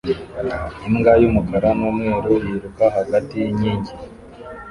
Imbwa y'umukara n'umweru yiruka hagati yinkingi